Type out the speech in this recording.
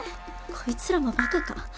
こいつらもバカか？